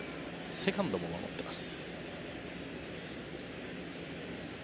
セカンドも守っています。